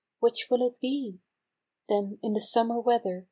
Which will it be ? Then, in the summer weather.